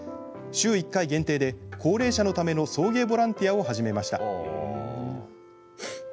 週１回限定で、高齢者のための送迎ボランティアを始めました。